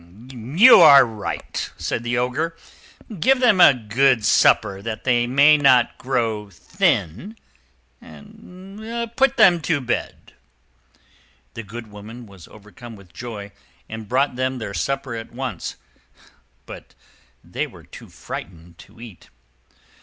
"You are right," said the Ogre; "give them a good supper, that they may not grow thin, and put them to bed." The good woman was overcome with joy, and brought them their supper at once; but they were too frightened to eat.